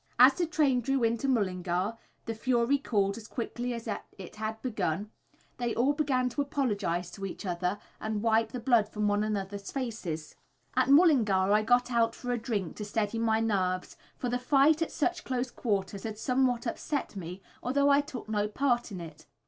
As the train drew into Mullingar the fury cooled as quickly as it had begun, they all began to apologise to each other and wipe the blood from one another's faces. At Mullingar I got out for a drink, to steady my nerves, for the fight at such close quarters had somewhat upset me, although I took no part in it.